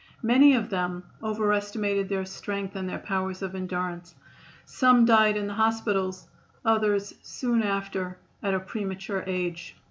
Many of them overestimated their strength and their powers of endurance. Some died in the hospitals, others soon after, at a premature age.